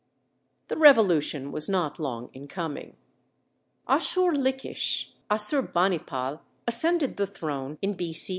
The revolution was not long in coming. Asshurlikhish [Assurbanipal] ascended the throne in B.C.